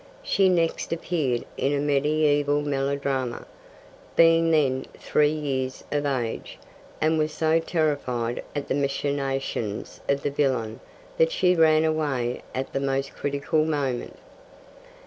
She next appeared in a mediaeval melodrama, being then three years of age, and was so terrified at the machinations of the villain that she ran away at the most critical moment.